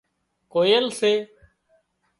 ڪوئيل سي